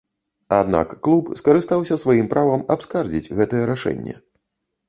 Аднак клуб скарыстаўся сваім правам абскардзіць гэтае рашэнне.